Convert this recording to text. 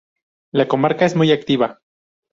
La comarca es muy activa.